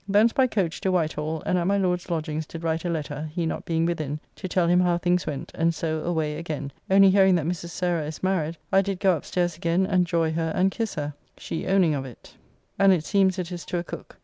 Thence by coach to White Hall, and at my Lord's lodgings did write a letter, he not being within, to tell him how things went, and so away again, only hearing that Mrs. Sarah is married, I did go up stairs again and joy her and kiss her, she owning of it; and it seems it is to a cook.